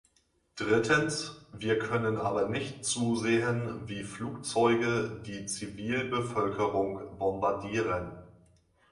Drittens, wir können aber nicht zusehen, wie Flugzeuge die Zivilbevölkerung bombardieren!